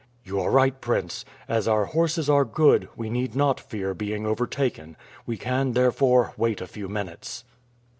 "You are right, prince. As our horses are good, we need not fear being overtaken. We can therefore wait a few minutes."